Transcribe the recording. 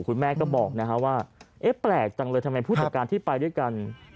คุณแม่ก็บอกว่าเอ๊ะแปลกจังเลยทำไมผู้จัดการที่ไปด้วยกัน